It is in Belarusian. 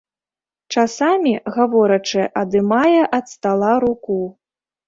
Часамі, гаворачы, адымае ад стала руку.